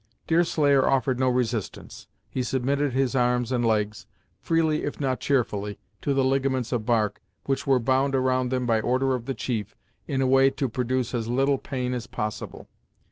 Deerslayer offered no resistance. He submitted his arms and legs, freely if not cheerfully, to the ligaments of bark, which were bound around them by order of the chief, in a way to produce as little pain as possible.